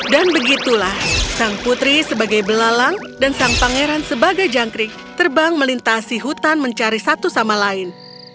dan begitulah sang putri sebagai belalang dan sang pangeran sebagai jangkrik terbang melintasi hutan mencari satu sama lain